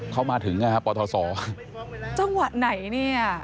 เข้ามาถึงปศจังหวัดไหนเนี่ย